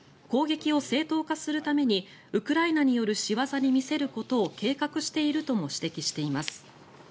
攻撃を正当化するためにウクライナによる仕業に見せることを計画しているとも指摘しています。